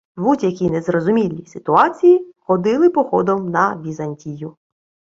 В будь-якій незрозумілій ситуації ходили походом на Візантію.